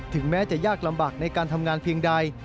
แม้จะยากลำบากในการทำงานเพียงใด